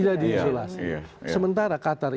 iya di isolasi sementara qatar